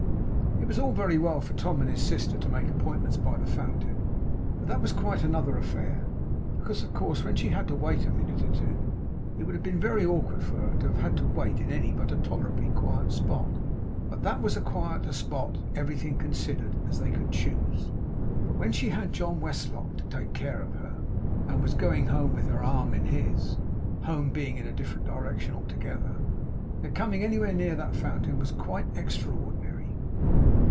It was all very well for Tom and his sister to make appointments by the Fountain, but that was quite another affair. Because, of course, when she had to wait a minute or two, it would have been very awkward for her to have had to wait in any but a tolerably quiet spot; but that was as quiet a spot, everything considered, as they could choose. But when she had John Westlock to take care of her, and was going home with her arm in his (home being in a different direction altogether), their coming anywhere near that Fountain was quite extraordinary.